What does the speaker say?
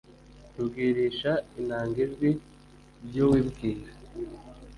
Tubwirisha inanga ijwi ry uwibwira